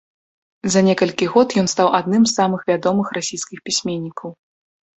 За некалькі год ён стаў адным з самых вядомых расійскіх пісьменнікаў.